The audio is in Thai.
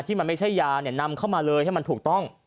ที่มันไม่ใช่ยานำเข้ามาเลยให้มันถูกต้อง